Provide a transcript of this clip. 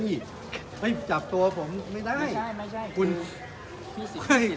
ไงไงเจ็บตัวผมไม่ได้